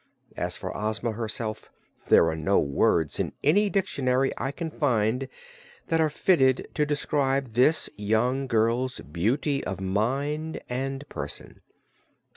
As for Ozma herself, there are no words in any dictionary I can find that are fitted to describe this young girl's beauty of mind and person.